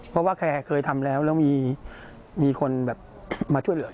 เพราะว่าแกเคยทำแล้วแล้วมีคนแบบมาช่วยเหลือ